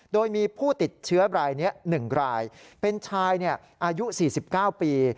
โดยมีผู้ติดเชื้อรายนี้๑รายเป็นชายอายุ๔๙ปี